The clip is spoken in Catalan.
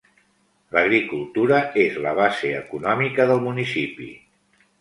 L'agricultura és la base econòmica del municipi.